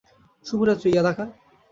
শুভরাত্রি, ইয়াদাকা।